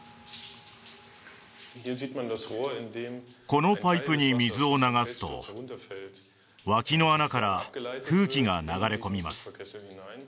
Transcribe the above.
このパイプに水を流すと脇の穴から空気が流れ込みます